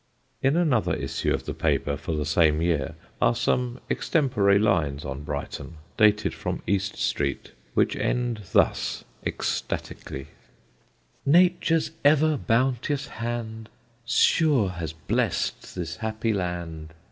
In another issue of the paper for the same year are some extempore lines on Brighton, dated from East Street, which end thus ecstatically: Nature's ever bounteous hand Sure has bless'd this happy land.